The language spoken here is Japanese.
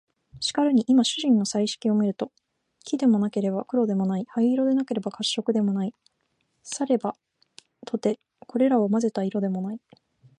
しかるに今主人の彩色を見ると、黄でもなければ黒でもない、灰色でもなければ褐色でもない、さればとてこれらを交ぜた色でもない